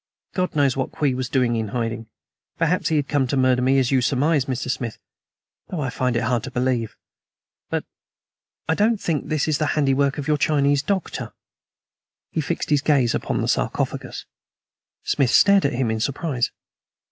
God knows what Kwee was doing in hiding. Perhaps he had come to murder me, as you surmise, Mr. Smith, though I find it hard to believe. But I don't think this is the handiwork of your Chinese doctor." He fixed his gaze upon the sarcophagus. Smith stared at him in surprise.